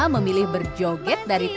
memilih berjoget dari tempat